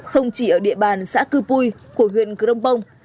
không chỉ ở địa bàn xã cư pui của huyện crong bông